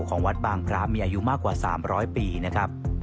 ของวัดบางพระมีอายุมากกว่า๓๐๐ปีนะครับ